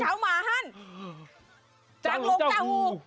จากลงเจ้าหู